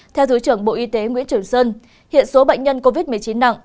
theo thứ trưởng bộ y tế nguyễn trường sơn